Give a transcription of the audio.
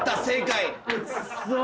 正解！